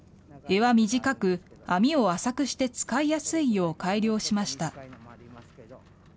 柄は短く、網を浅くして、使いやすいよう改良しました。